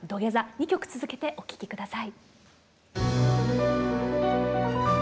２曲続けてお聴き下さい。